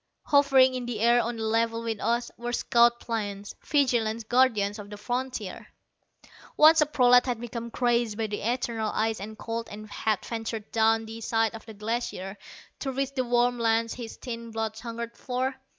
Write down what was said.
Hovering in the air, on a level with us, were scout planes, vigilant guardians of the frontier. Once a prolat had become crazed by the eternal ice and cold, and had ventured down the side of the Glacier, to reach the warm lands his thin blood hungered for.